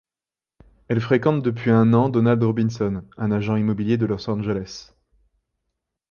Elle fréquente depuis un an Donald Robinson, un agent immobilier de Los Angeles.